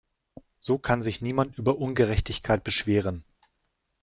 So kann sich niemand über Ungerechtigkeit beschweren.